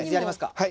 はい。